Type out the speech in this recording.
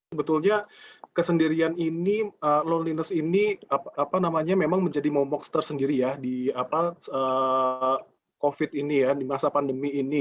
sebetulnya kesendirian ini loneliness ini memang menjadi momoks tersendiri ya di covid ini ya di masa pandemi ini